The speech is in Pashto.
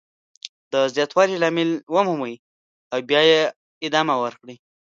د زیاتوالي لامل ومومئ او بیا یې ادامه ورکړئ.